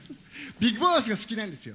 ビッグボスが好きなんですよ。